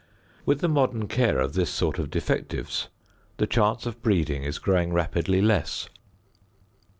With the modern care of this sort of defectives, the chance of breeding is growing rapidly less.